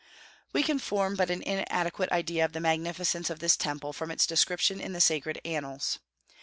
We can form but an inadequate idea of the magnificence of this Temple from its description in the sacred annals.